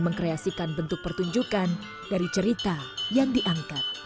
mengkreasikan bentuk pertunjukan yang menjadikan perusahaan kita menjadi sebuah wilayah yang terlalu